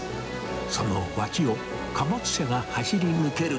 その脇を貨物車が走り抜ける。